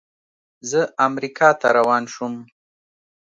زه امریکا ته روان شوم.